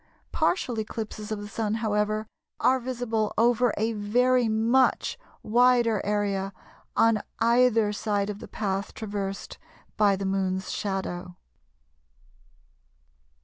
Partial eclipses of the Sun, however, are visible over a very much wider area on either side of the path traversed by the Moon's shadow.